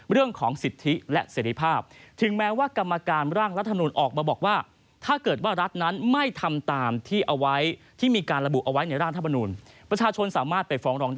เรื่องของสิทธิและเสร็จภาพ